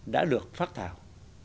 đã được phát thảo